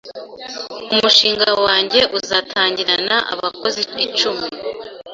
umushinga wanjye uzatangirana abakozi icumi